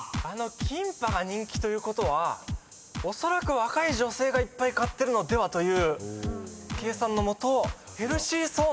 「キンパ」が人気ということはおそらく若い女性がいっぱい買ってるのでは？という計算のもと。